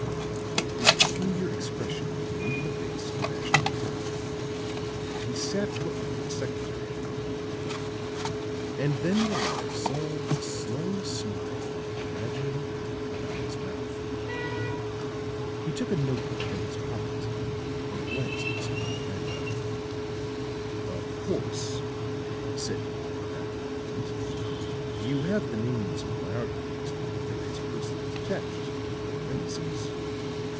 A peculiar expression came into the face of Ashton Kirk. He sat looking at the secretary for a moment; and then the latter saw a slow smile gradually creep about his mouth. He took a note book from his pocket, and glanced at some memoranda. "Of course," said he, after a moment, "you have the names and biographies of the various persons attached to the foreign embassies?"